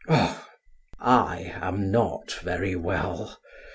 "Oh, I am not very well.